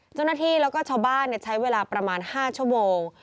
เจ้าหน้าที่แล้วก็ชาวบ้านใช้เวลาประมาณ๕ชั่วโมง